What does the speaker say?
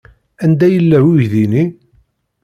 Anda yella uydi-nni?